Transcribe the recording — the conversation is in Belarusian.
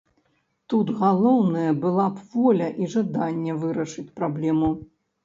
Тут галоўнае была б воля і жаданне вырашыць праблему.